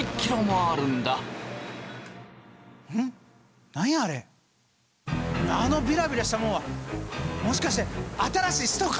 あのビラビラしたもんはもしかして新しい使徒か！？